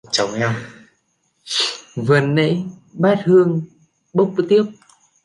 vừa nãy bát hương bốc tiếp